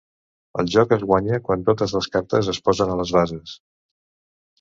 El joc es guanya quan totes les cartes es posen a les bases.